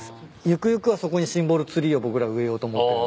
ゆくゆくはそこにシンボルツリーを僕ら植えようと思ってる。